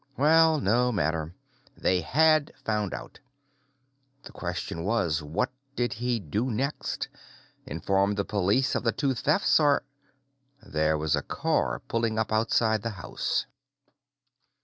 Well, no matter. They had found out. The question was, what did he do next? Inform the police of the two thefts or There was a car pulling up outside the house.